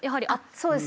そうです。